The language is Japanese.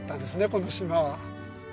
この島は。